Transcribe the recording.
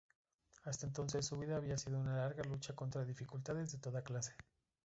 Hasta entonces, su vida había sido una larga lucha contra dificultades de toda clase.